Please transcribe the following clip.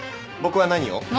僕は何を？